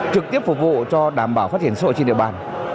trực tiếp phục vụ cho đảm bảo phát triển sổ trên địa bàn